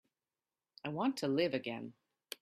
I want to live again.